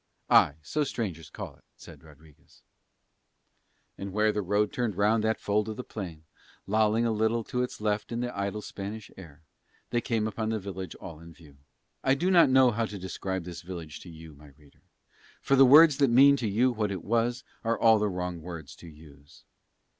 "Aye, so strangers call it," said Rodriguez. And where the road turned round that fold of the plain, lolling a little to its left in the idle Spanish air, they came upon the village all in view. I do not know how to describe this village to you, my reader, for the words that mean to you what it was are all the wrong words to use.